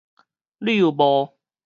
遛帽